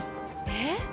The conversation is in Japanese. えっ？